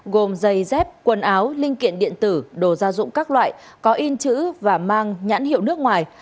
gồm giày dép quần áo linh kiện điện tử đồ gia dụng các loại có in chữ và mang nhãn hiệu nước ngoài